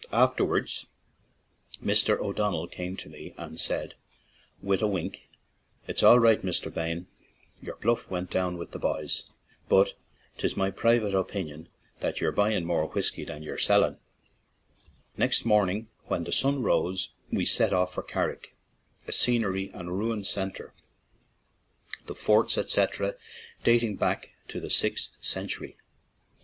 Afterwards Mr. O'Donnell came to me and said with a wink: "It's all 4 6 GLENTIES TO CARRICK right, Mr. Bayne ; your bluff went through with the boys, but 'tis my private opinion that ye're buyin' more whiskey than ye're sellinY' Next morning when the sun rose we were off for Carrick, a scenery and ruin centre, the forts, etc., dating back to the sixth century.